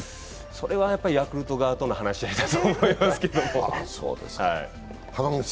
それはヤクルト側との話し合いだと思いますけれども。